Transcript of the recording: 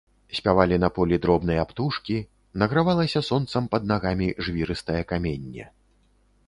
Спявалі на полі дробныя птушкі, награвалася сонцам пад нагамі жвірыстае каменне.